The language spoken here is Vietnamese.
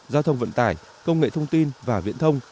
giao thông vận tải công nghệ thông tin và viễn thông